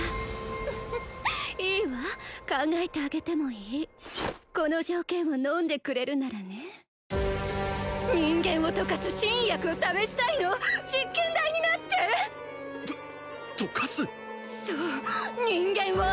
フフフッいいわ考えてあげてもいいこの条件をのんでくれるならね人間を溶かす新薬を試したいの実験台になって！と溶かすそう人間を！